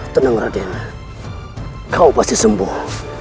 tenang radiana kau pasti sembuh